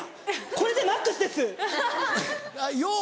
これでマックスです！用意！